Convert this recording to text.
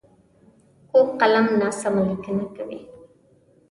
کوږ قلم ناسمه لیکنه کوي